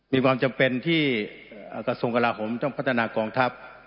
มีความจำเป็นที่กระทรวงกลาโหมต้องพัฒนากองทัพ